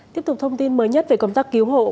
tiếp tục thông tin mới nhất về công tác cứu hộ